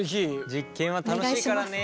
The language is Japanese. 実験は楽しいからね。